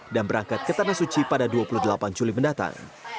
dan berangkat ke tanah suci pada dua puluh delapan juli mendatang